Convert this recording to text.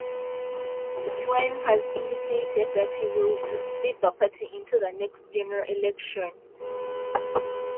Yuen has indicated that he will lead the party into the next general election.